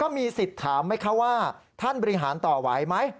มีสิทธิ์ถามไหมคะว่าท่านบริหารต่อไหวไหม